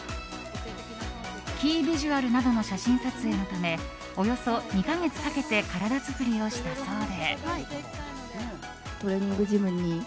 キービジュアルなどの写真撮影のためおよそ２か月かけて体作りをしたそうで。